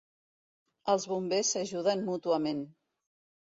Els bombers s'ajuden mútuament.